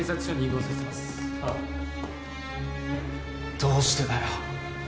どうしてだよ親父。